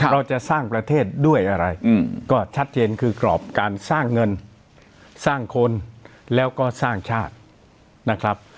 เราจะสร้างประเทศด้วยอะไรก็ชัดเจนคือกรอบการสร้างเงินสร้างคนแล้วก็สร้างชาตินะครับ